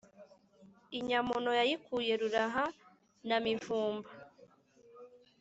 Inyamuno yayikuye Ruraha na Mivumba.